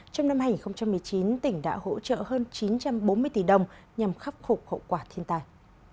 trong năm hai nghìn một mươi chín tỉnh đã hỗ trợ hơn chín trăm bốn mươi tỷ đồng nhằm khắp hộp hậu quả thiên tai